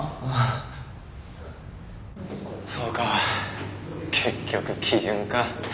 そうか結局基準か。